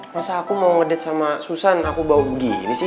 masa aku mau ngedate sama susan aku bau gini sih